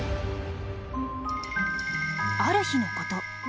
ある日のこと。